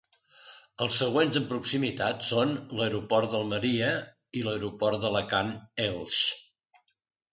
Els següents en proximitat són: l'aeroport d'Almeria i l'Aeroport d'Alacant-Elx.